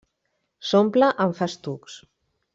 S'omple amb festucs.